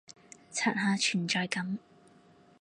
刷下存在感